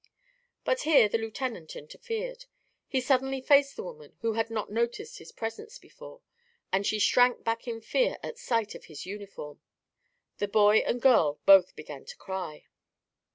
But here the lieutenant interfered. He suddenly faced the woman, who had not noticed his presence before, and she shrank back in fear at sight of his uniform. The boy and girl both began to cry.